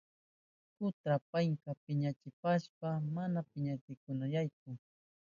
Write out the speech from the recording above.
Kutran payta piñachishpanpas mana makanakunayanchu.